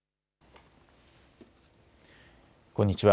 こんにちは。